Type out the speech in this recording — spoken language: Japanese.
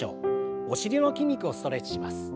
お尻の筋肉をストレッチします。